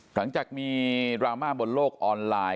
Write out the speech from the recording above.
หลังจากมีดราม่าบนโลกออนไลน์